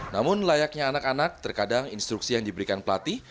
namun layaknya anak anak terkadang instruksi yang diberikan pelatih